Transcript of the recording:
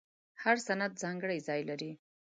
هر سند ځانګړی ځای لري.